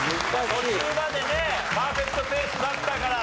途中までねパーフェクトペースだったから。